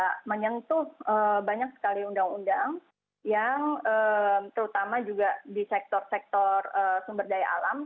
kita menyentuh banyak sekali undang undang yang terutama juga di sektor sektor sumber daya alam